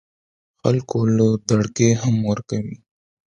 خلکو له دړکې هم ورکوي